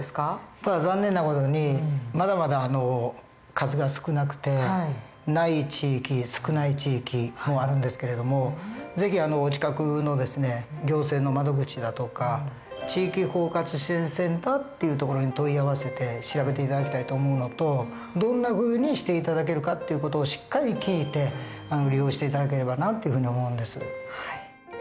ただ残念な事にまだまだ数が少なくてない地域少ない地域もあるんですけれども是非お近くの行政の窓口だとか地域包括支援センターっていうところに問い合わせて調べて頂きたいと思うのとどんなふうにして頂けるかっていう事をしっかり聞いて利用して頂ければなっていうふうに思うんです。